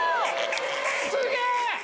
すげえ！